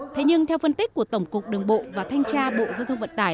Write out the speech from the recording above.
thế nhưng theo phân tích của tổng cục đường bộ và thanh tra bộ giao thông vận tải